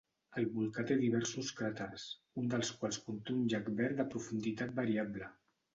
El volcà té diversos cràters, un dels quals conté un llac verd de profunditat variable.